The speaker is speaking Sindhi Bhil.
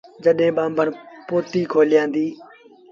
جڏهيݩ ٻآنڀڻ پوٿيٚ کولآيآندي۔